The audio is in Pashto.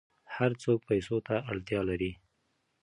هر څوک پیسو ته اړتیا لري.